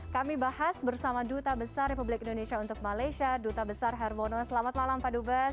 kami bahas bersama duta besar republik indonesia untuk malaysia duta besar hermono selamat malam pak dubes